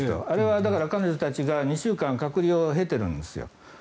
あれは彼女たちが２週間隔離を経ているんですよ。